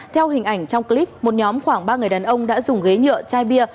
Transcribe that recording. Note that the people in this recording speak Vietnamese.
theo hình ảnh trong clip một nhóm khoảng ba người đàn ông đã dùng ghế nhựa chai bia